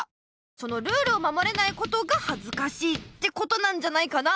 その「ルールを守れないことがはずかしい！」ってことなんじゃないかな。